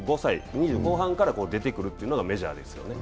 ２０後半から出てくるというのがメジャーですね。